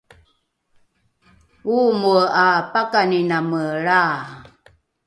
oomoe ’a pakaniname lraa